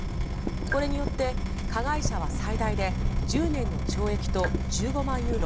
これによって加害者は最大で１０年の懲役と１５万ユーロ